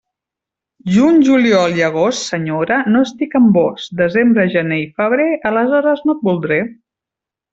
Juny, juliol i agost, senyora, no estic amb vós; desembre, gener i febrer, aleshores no et voldré.